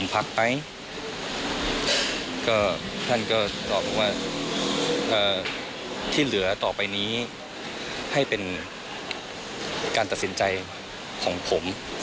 พักไหมก็ท่านก็ตอบว่าที่เหลือต่อไปนี้ให้เป็นการตัดสินใจของผม